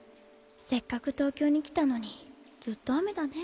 せっかく東京に来たのにずっと雨だね。